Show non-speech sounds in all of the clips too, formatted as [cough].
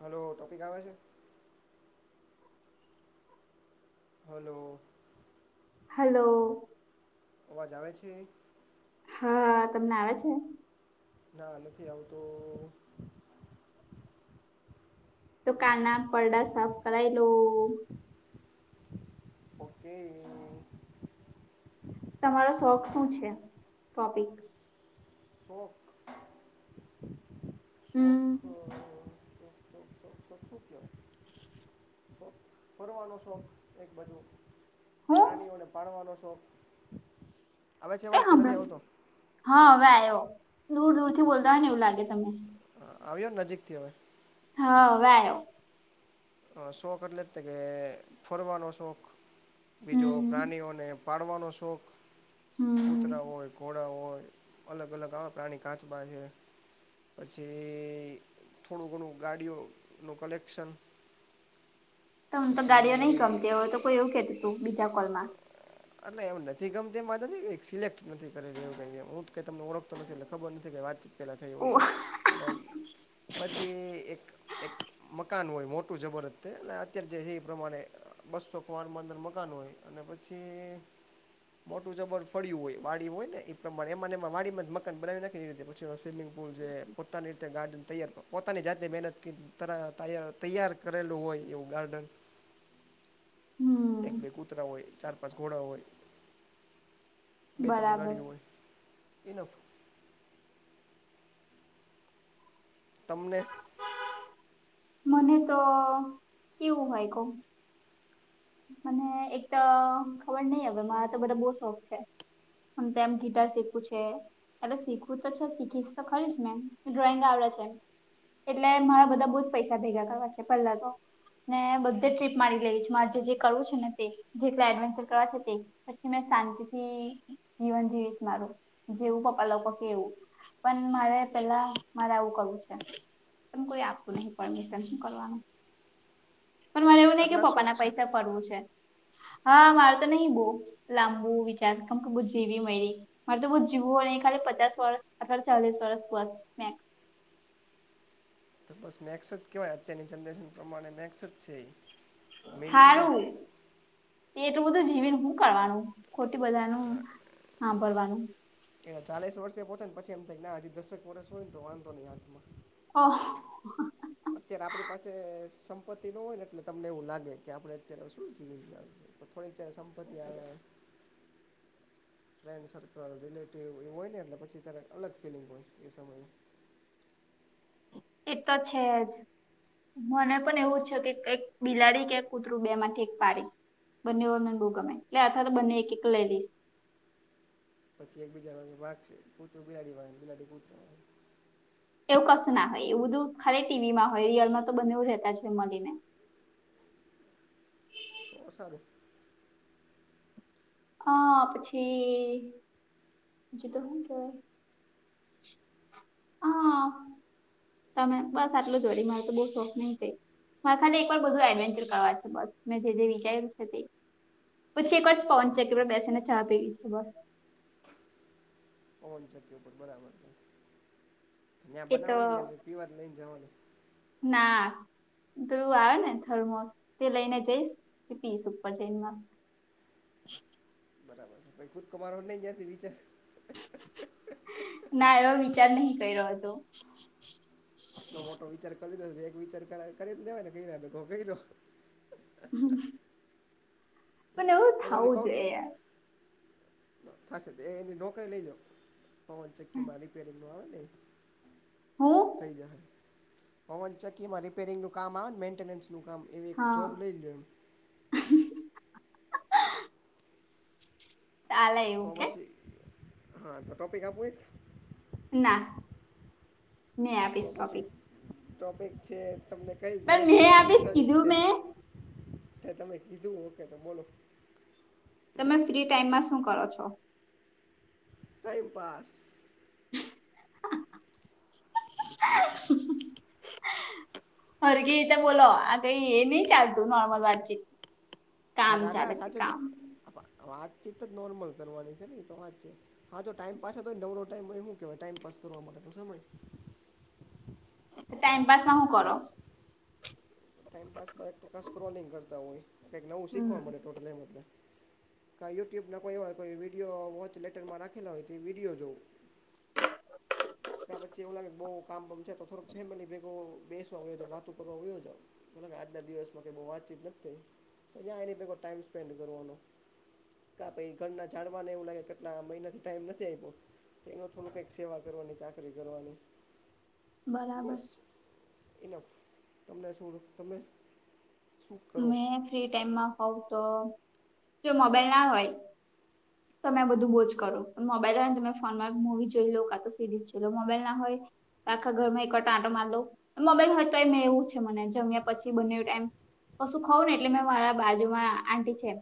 Hello topic આવે છે [unintelligible] hello. Hello. અવાજ આવે છે. હા તમને આવે છે. ના નથી આવતો. તો કાના પડડા સાફ કરાય લો ઓકેકે તમારો શોખ શું છે ટોપિક હો હમ શોખ શોખ શોખ શોખ શોખ શું ફોરવાનો શોખ એક બાજુ હું પ્રાણીઓને પાળવાનો શોખ હવે છે કઈ એવાજ કે નથી સાંભળ આવતો હા હવે આવ્યો દૂર દૂર થી બોલતા હોય ને એવું લાગે તમને હ આવ્યો ને નજીક થી હવે હા વયો શોખ એટલે જ કે ફોરવાનો શોખ બીજો હમ પ્રાણીઓને પાડવાનો શોખ હમ કૂતરા હોય ઘોડા હોય અલગ અલગ આવા પ્રાણી કાચબા છે પછી થોડું ઘણું ગાડીઓનું કલેક્શન તો હું તો પછી ગાડીઓ નહીિ ગમતી હોય તો કોઈ એવું કેતું તું બીજા કોલમાં એટલે એમ નથી ગમતી એમ વાત નથી સિલેક્ટ નથી કરી રહ્યું ક હું તમને ઓળખતો નથી એટલે ખબર નથી વાત પેલા થયું ઓ હોય તો અને પછી એક એક મકાન હોય મોટ જબરસ્ એટલે અત્યારે જે એ એ પ્રમાણે બસો ખન મકાન હોય અને પછી તે મોટું જબર ફળ્યું હોય વાડી હોય ને એ પ્રમાણે એમાં એ વાડીમાં જ મકાન બનાવી નાખી રીતે સ્વિમિંગ પુલ જે પોતાનીતે ગ્ડનૈાર પોતાની જાતે મહેનત ત તૈયાર કરેલું હોય એવું ગાર્ડન હમ એક બે કૂતરા હોય ચાર પાંચ ઘોડા હોય બે ત્રણ બરાબર ગાડીઓ હોય ઇનફ તમને મને તો કેવું હોય કહ મને એક તો ખબર નહિ હ મારા તો બરા બહ શોખ છે હ તેમમ ગીટાર શીખવું છે એટલે શીખવું તો છે શીખીશ તો ખરી જ મેં ડ્રોઈંગ આવડે છે એટલે મારા બધા બહુ જ પૈસા ભેગા કરવા છે પહેલા તો ને બધે ટ્રીપ મારી ગઈ છેું મા આજે જે છે ને જેડવેર કરવા તે પી મે શાંતિથી જીવન જીવીશ મારું જેવું પપ્પા લોકોગ કે એવું પણ મારે પેલા મારે આવું કરવું છે પણ કોઈ આપું નહી પરમિશન કરવાનું પણ મને એવું નહ કે આટલા પપ્પા શોખ ના છે પૈસા પડવું છે હા માર તો નહીિ બહ લાંબુ વિચાર કેમ કે બ જવી મારી મારે તો બઉુ જીવું હોય એ ખાલી પચાસ વર્ષ અઠર ચાલીસ વર્ષ બસ મે શાળા માકા છે તો ચાલો આપણે બસ મેક્સ જ કહેવાય અત્યારની જનરેશન પ્રમાણે મેક્સ જ છે મેઇન નથી સારું તારી મા કા તેટલું બધું જીવીને શું કરવાનું ખોટી બધા ન સાાંભરવાનું. એ ચાલીસ વર્ષ પ પો ને પછ એમ થાય ના હ દસક વર્ષ હોય ને તો વાંધ નહી હાથમાં. ઓ. અત્યારે આપણી પાસે સંપત્તિ ન હોય ને એટલે તમને એવું લાગે કે આપડે અત્યારે શું જીવીન જ થોડીક ત્યારે સંપત્તિ આવે [inaudible] ફ્રેન્ડ સર્કલ રિલેટિવ એવું હોય ને એટલે પછી ત્યારે અલગ ફિલિંગ હોય એ સમયે એ તો છે જ મને પણ એવું છે કે કઈક બિલાડી કે કૂતરું બે માંથી એક પડી બંને મગુ ગમે એટલે અથવા તો બંને એક એક લઈ લઈશ પછી એકબીજા ભાગ છે કુતરોું બિલાડી વાય બિલાડી કુતરો વાય કુતરો એવું કશું ના હોય એવું બધું ખા ટીવીમાં હોય રયલમાં તો બને એવું રહેતા જ હોય મળીને બહ સારું. હા પછી જુ તો શું કેવાય? હા તમે બસ આટલું જોડી મારે તો બહ શોખ નહી થ. મારે ખાલી એકવાર બધું એડવેન્ચર કરવા છે. બસ મે જે જે વિચાર્યું છે તે પછી એક વાર પહોંચ એક સમજી બેસેસાને ચા પી ગઈ છે બસ. ઓવન ચક્ય ઉપ બરાબર છે ત્યાં એ તો બનાવવાની ને પીવા જ લઈને જવાનું. ના. દું આવે ને થર્મોસ તે લઈને જઈશ પીસ ઉપર જઈમાં. બરાબર છે કઈ ખુદ કમાર નઈ જતી વિચાર ના એવા વિચાર નહી કરી રહ્યો છો. તો મોટો વિચાર કરી દો એક વિચાર કરી લેવાય ને ક ક પણ એવું તો પછી થાવું કહું જોઈએ. થશે એની નોકરી લઈ જા પવન ચક્કીમાં રિપેરંગ હું થઈ જ. પવનચકીમાં રિપેરિંગનું કામ આવે ને મેન્ટેનન્સનું કામ એવ એક જોબ હા લઈ લ લો એમ ચાલે તો એવું કે પછી હા તો ટોપિક આપું. ના. મેં તો આપીશ પછી ટોપિક ટોપિક છે તમને કઈ પણ ગેમ મેં રમણી આપીશ પસંદ કીધું છે. મેં એ તમે કીધું ઓકે તો બોલો. તમે ફ્રી ટાઈમમાં શું કરો છો. ટાઈમપાસ. [inaudible] હરગી તો બોલો આ કઈ એ નહી ચાલતું નોર્મલ વાતચીત હા કામ તોા ચાલે ના છે સાચું કામ વાતચીત તો જ નોર્મલ કરવાની છે ને એ તો વાત છે. હા જો ટાઈમપસ હતો તો ને નવલો ટાઈમ હો શું કહેવાય ટાઈઇમપાસ કરવા માટેનો સમય તો ટાઈમપસ ના હું કરો? ટાઈમપાસમાં તો ક સ્ક્રોલિંગ કરતા હોય કંઈક નવું હમ શીખવા મળડે ટોટલ એમ આપને કાઈ યુટ્યુબના કોઈ એવાય કોઈ વિડીયો વોચ લેટરમાં રાખેલા હોય તો એ વિડીયો જોઓ. ત્યા પછી એવું લાગે બઉ કામમ તો થોડક ફેમિલી ભેગો બેસવા વાતો કરવા આવયો છે. મલ કે આજના દિવસમાં કંઈ બહુ વાતચીત નથી થઈ. તો જ્યાં એની પેકો ટાઈમ સ્પેન્ડ કરવાનો કા પાઈ ઘર ના જાડવાને એવ લાગે કેટલા મહિના થી ટાઈમ નથી આપ્યો. તેનો થોડું કઈક સેવા કરવાની ચાકરી કરવાની બરાબર બસ ઇનફ તમને શું તમે?? શું કરો મે ફ્રી ટાઈમમાં હોવ તો જો મોબાઈલ ના હોય. તમે બધું બહુજ કરો મોબાઈલ હોય ને તમે ફોનમાં મુવી જોઈ લો કા તો સિરીઝ જોઈ લો મોબાઈલ ના હોય. આખા ઘર માં કટાટો માર મબાઈલ હ તો એ મેં એવું છે. મને જમ્યા પછી બને ટાઈમ પશું ખાઉ ને એટલે મેં મારા બાજુમાં આટી છેમ.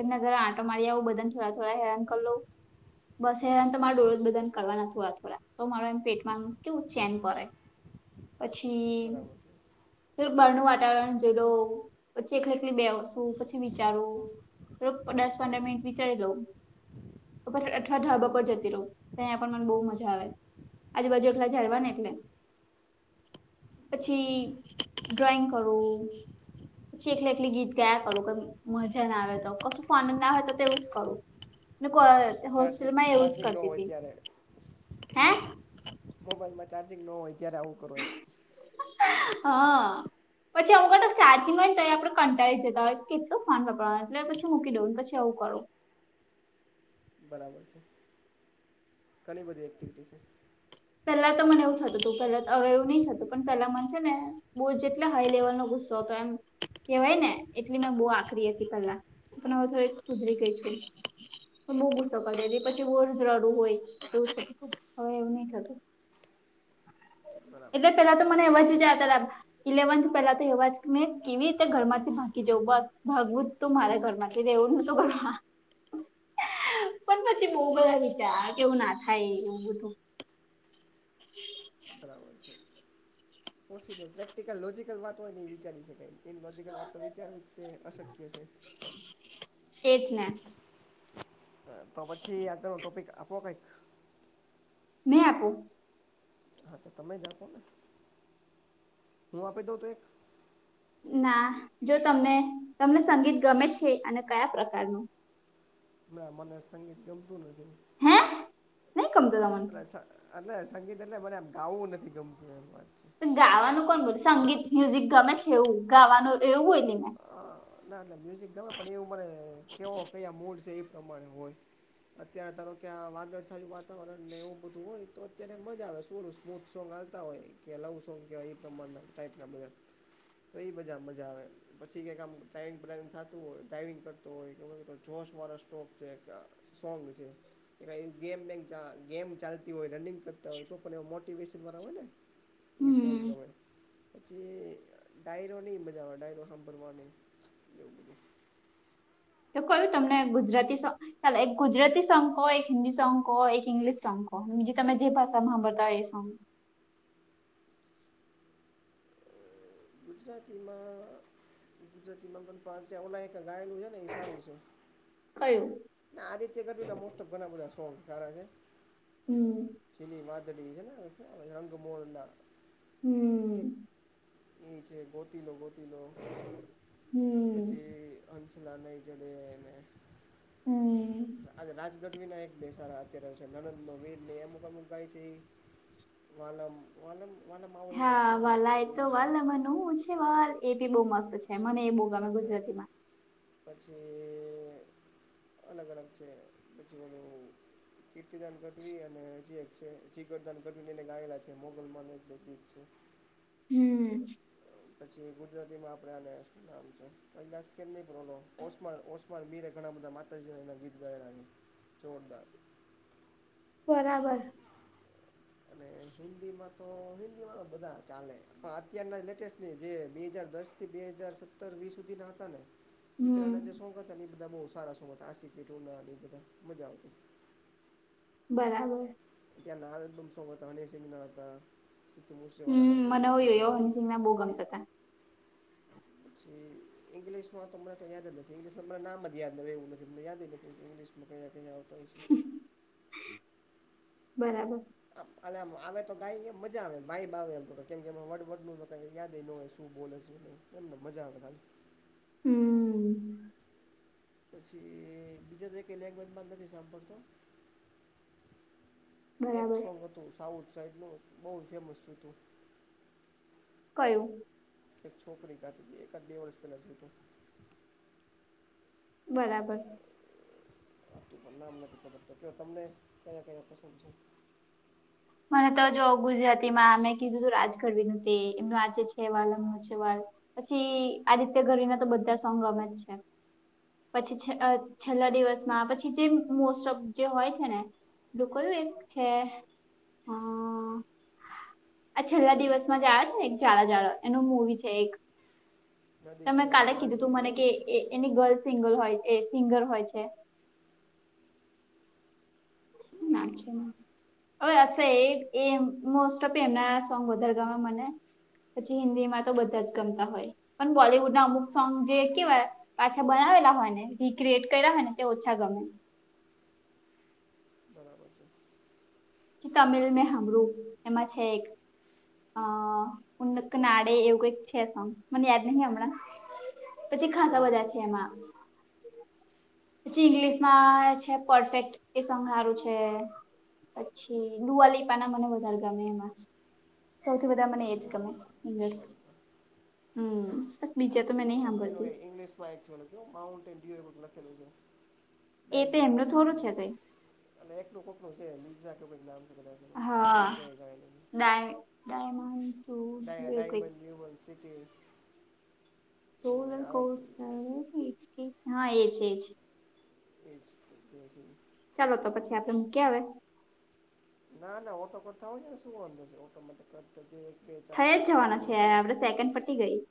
એને ઘર આંટા મારી આવું બધાને થોડા થોડા હેરાન કર લઉ. બસ હેને તો મારા ડોળદ બધા કરવાના થોડા થોડા તો મારો એમ પેટમાં કેવું ચેન કરે. પછી બરાબર છે બરનું વાતાવરણ જડો. પછી એકલી એકલી બે વતુ પછી વિચારું દસ પંદર મિનિટ વિચારી દઉં. અઠવા ઢાબા પર જતી રહ તો અહીંયા પણ મને બહુ મજા આવે. આજુ-બાજુ એકલા જારવા ને એટલે બરાબર પછી ડ્રોઈંગ કરવું. પછી એકલે એકલી ગીત ગાયા કરું મજા ના આવે તો કશું આનંદ આવે તો તેવું જ કરું. ચાર્જિંગ હોસ્ટેલમાં એવું જ ચાર્જિંગ ન કરતી હોય હતી ત્યારે હે. મોબાઈલમાં ચાર્જિંગ ન હોય ત્યારે આવું કરો એમ. હ. પછી આવું કડે ચાર્જિંગ હોયને તો એ આપડે કંટાળી જતા હોય કેટલું ફોન પકડવાનું એટલે પછ મૂકી દઉં પછી એવું કરું. બળાબર છે. ઘણી બધી એક્ટિવિટી છે. પેલા તો મને એવું થતું તું પેલા તો હવે એવું નઈ થતું પણ પેલા મન છે ને બોજ એટલો હાઈ લેવલ નો ગુસ્સો તો એમ કેવાય ને એટલી મેં બઉ આકરી હતી પેલા. પણ હવે થોડી સુધરી ગઈ છે. બો ગુસ્સો કરતી તી પછી વર જરાડું હોય તો ખ હવે એવું નહી થતું. બરાબર એલે છે પેલા તો મને સારું એવા જ જયા સુધરી હતા. ઇલેવન્થ પેલા તો એવા મેં કેવી રીતે ઘરમાંથી ભાકતી જવું બસ ભાગવું તું ગઈ મારા ઘર માંથી રહેવું હતું ઘરમાં. પણ પછી બઉ બધા વિચાર આવે કેવું ના થાય એવું બધું. હ [unintelligible] છે. પોસિબલ પ્રેક્ટિકલ લોજિકલ વાત હોય ને ઈ વિચારી શકાય, ઇનલોજીકલ વાત તો વિચારવી તે અશક્ય છે. એ જ ને. તો પછી આદનો ટોપિક આપો કંઈક. મે આપું. હા તો તમે જ આપો ને, હું આપી દઉં તો એક. ના, જો તમને તમને સંગીત ગમે છે અને કયા પ્રકારનું? ના મને સંગીત ગમતું નથી. હે! નઈ ગમતો તમાને. એ એટલે સંગીત એટલે મને આમ ગાવવું નથી ગમતું, એમ વાત છે. પણ ગાવાનું કોણ બોલ સંગીત મ્યુઝિક ગમે છે એવું ગાવાનું એવું હોય ને. અ ના એટલે મ્યુઝિક ગમે પણ એવું મને કેવો કયા મૂડ છે એ પ્રમાણે હોય. અત્યારે ધારો કે આં વાદળછાયું વાતાવરણ ને એવું બધું હોય તો ત્યારે મજા આવે શુંર સ્મૂથ સો. હોય કે લવ સોંગ કેવાય એ પ્રમાણના ટાઈપ ના બધા તો એ બજા મજા આવે. પછી કંઈક આમ ટ્રાઈવિંગ પ્રાઈવિંગ થાતું હોય ટ્રાઈવિંગ કરતું હોય કે જોશ વરસ સ્ટોપ છે. સોંગ છે. ગેમ બેંગ ગેમ ચાલતી હોય રનિંગ કરતા હોય, તો પણ એવ મોટીવેશન વાળા હોયને એ સોંગ હમ ગમે. પછી ડાયરો ની મજા આવે, ડાયરો સાંભળવા ન એવું બધું. તો કયું તમને ગુજરાતી સોં ચાલે એક ગુજરાતી સોંગ કો, એક હિન્દી સોંગ કો, એક ઇંગ્લિશ સોંગ કો તમે જે ભાષામાં હાભળતા હોય એ સોંગ. ગુજરાતીમાં ગુજરાતીમાં પણ પા ત્યાં ઓલાયકા ગાયેલું છે ને એ સારું છે. કયું? આ આદિત્ય ગઢવી ના મોસ્ટ ઓફ ઘણા બધા સોંગ સારા છે. હમ જેની વાદડી હેને રંગ મોરલા... હમ ઈ છે ગોતીલો ગોતિલો હમ પછી અં ના નઈ જડે એને હમ રા રાજ ગઢ વિનાયક બેસાાર અચ્યારેયો છે નણંદનો વીર ને અમુક અમુક ગાય છે ઈ વાલમ વાલમ વાલમ આવે કર હા છે ને વાલા એ ઈ તો વાલમ નુ છે વાલ એ બી બહુ મસ્ત છે મને એ બહુ ગમે ગુજરાતી માં પછી અલગ અલગ છે પછી ઓલું કીર્તિદાન ગઢવી અને હજી એક છે જીગરદાન ગઢવી એને ગાયલા છે મોગલમાં ને એક ગીત છે. હમ પછી ગુજરાતીમાં આપડે આને શું નામ છે? [unintelligible] ઓસમાણ ઓસ બીરે કણા બધા માતાજીના ગીત ગાયલા છે, જોરદાર. બરાબર અને હિન્દીમાં તો હિન્દીમાં તો બધા ચાલે પણ અત્યારના લેટેસ્ટ ની જે બે હજાર દસ થી બે હજાર સત્તર વીસ સુધી ના હતા ને હમ એકલાના જે સોંગ હતા બધા બહું સારા સોંગ હતા આ સીપી રૂના બધા મજા આવતી બરાબર ત્યા ના લ્બમ સોંગ હતા અને હની સિંગ ના હતા સિદ્ધુ મૂસેવાલાના હમ્મ છે મને એ હોય હો બધા હનસિંગ ના બહુ ગમતા હતા પછી ઇંગ્લિશમાં તો મને યાદ જ નથી ઇંગ્લિશમાં મને નામ જ યાદ રહે એવું નથી મને યાદ જ નથી ઇંગ્લિસ મે અહીંયા આવતા હોય શું બરાબર આમ આવે તો ગાઈ મજા આવે વાઈબ આવે એમ કેમ કે વડ વડ નુ યાદ એ ન હોય શું બોલે એમને મજા આવે ખાલી હમ્મ. પછી બીજા તો એકે લેન્ગવેજમાં નથી સાંભળતો એક બરાબર સોંગ હતું સાઉથ સાઈડનું બહુ ફેમસ હતું કયું? એક છોકરી ગાતી હતી એકાદ બે વર્ષ પેલા નુ જૂનું બરાબર આપું પણ નામ નથી ખબર તો કે તમને કયા કયા પસંદ છે. મને તો જો ગુજરાતીમાં મે કીધું તું રાજગઢવીનું તે એમનું આજે છે વાલ અમ છે વાલ પછી આદિત્ય ગરી ના તો બધા સોંગ ગમે જ છે. પછી છે છેલ્લા દિવસમાં પછી જે મોસ્ટ ઓફ જે હોય છે ને લોકલ હે છે હા. આ છેલ્લા દિવસમાં જયા આવે છે ને એક જાડા જાડા એનું મૂવી છે એક નદી તમે કિનારે કાલે કીધું નાળિયેર તું એ મને નહીં ને કે એની ગર્લ સિંગર હોય સિંગર હોય છે શું ના શું છે. હવે હશે એ એ મોસ્ટ ઓફ એમના સોંગ વધારે ગમે મને પછી હિન્દી માં તો બધા જ ગમતા હોય પણ બોલીવુડ ના અમુક સોંગ જે કેવાય પાછા બનાવેલા હોય ને રીક્રિએટ કરેલા હોય ને તે ઓછા ગમે બરાબર છે. તમિલ મે હમરું એમાં છે એક હા અ નાડે એવું કઈક છે સોંગ મને યાદ નહી હમણાં પછી ખાસા હમ બધા છે એમાં પછી ઈંગ્લિશમાં છે પરફેક્ટ એ સંહારું છે. છે દુઆલીપાના મને વધારે ગમે એમાં સૌથી બધા મને એજ ગમે. દિવાળી દિવાળીમાં હમ્મ હમ્મ. એનું ઇંગ્લિશ માં એકચુલ માઉન્ટ એન યુ એ પણ લખેલું છે એ તો ડાયમંડ એમનું થોડું સિટી છે કઈ એને એટલું ખોટું છે લીઝ જા ઉપરથી નામ જાય રુ દીજા જાય રૂ દાય કાઈ નહી ડાય ડાયમંડ યુવર્ડ સિટી એવું હું તને કંઈ આવે કહું છે એ દિવસ છું હા એજ એજ એ જથ છે ચાલો તો પછી આપડે મૂકી આવે ના ના ઓટો કટ થાવા દો શું વાંધો છે ઓટો કટ માટે કરતા એક બે ચાર પાંચ સેકન્ડ વધે ની ગઈ